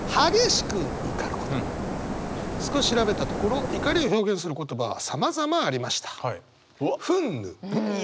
少し調べたところ怒りを表現する言葉はさまざまありました。